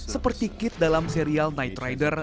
seperti kit dalam serial night rider